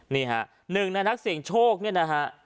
นี่ค่ะหนึ่งนักศิลป์โชคนี่นะคะ